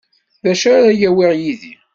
D acu ara awiɣ yid-i.